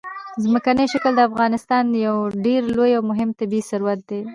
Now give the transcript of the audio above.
ځمکنی شکل د افغانستان یو ډېر لوی او مهم طبعي ثروت دی.